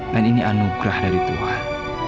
dan ini anugerah dari tuhan